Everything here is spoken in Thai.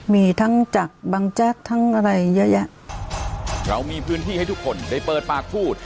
มีทั้งจากบังแจ๊กทั้งอะไรเยอะแยะเรามีพื้นที่ให้ทุกคนได้เปิดปากพูด